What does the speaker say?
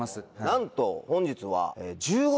なんと本日は。